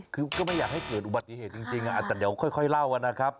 คือก็ไม่อยากให้เกิดอุบัติเหตุจริงแต่เดี๋ยวค่อยเล่านะครับ